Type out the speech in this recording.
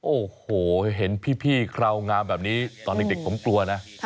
โอ้โหเห็นพี่กล่องามแบบนี้ตอนฝั่งตัวนะ